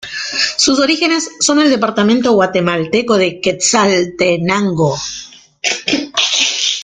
Sus orígenes son del departamento guatemalteco de Quetzaltenango.